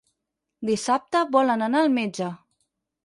Dissabte volen anar al metge.